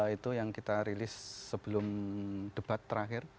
itu yang kita rilis sebelum debat terakhir